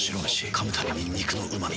噛むたびに肉のうま味。